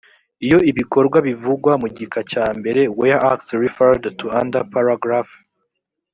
iyo ibikorwa bivugwa mu gika cya mbere where acts referred to under paragraph